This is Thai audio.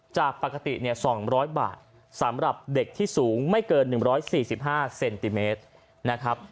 จากปกติ๒๐๐บาทสำหรับเด็กที่สูงไม่เกิน๑๔๕เซนติเมตรนะครับ